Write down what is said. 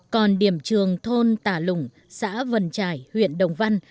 còn điểm trường thôn tà lùng xã vân trải huyện đồng văn